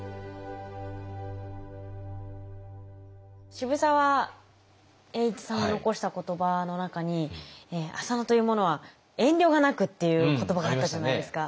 渋沢栄一さんの残した言葉の中に「浅野という者は遠慮がなく」っていう言葉があったじゃないですか。